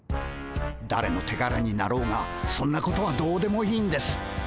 だれの手柄になろうがそんなことはどうでもいいんです。